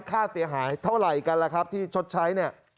ค่าเสียหายเท่าไหร่กันล่ะครับที่ชดใช้เนี่ย